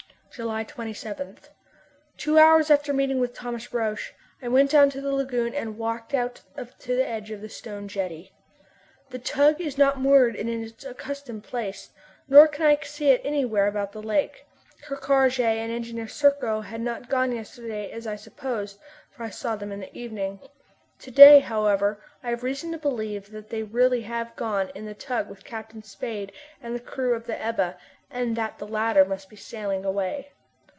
July 27. Two hours after meeting with Thomas Roch, I went down to the lagoon and walked out to the edge of the stone jetty. The tug is not moored in its accustomed place, nor can I see it anywhere about the lake. Ker Karraje and Engineer Serko had not gone yesterday, as I supposed, for I saw them in the evening. To day, however, I have reason to believe that they really have gone away in the tug with Captain Spade and the crew of the Ebba, and that the latter must be sailing away.